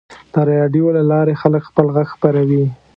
د راډیو له لارې خلک خپل غږ خپروي.